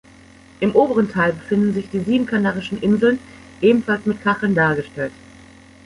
Im oberen Teil befinden sich die sieben kanarischen Inseln, ebenfalls mit Kacheln dargestellt.